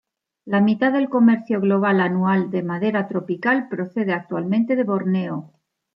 La mitad del comercio global anual de madera tropical procede actualmente de Borneo.